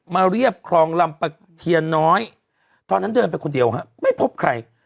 เรียบคลองลำปะเทียนน้อยตอนนั้นเดินไปคนเดียวฮะไม่พบใคร